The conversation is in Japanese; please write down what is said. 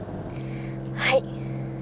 はい。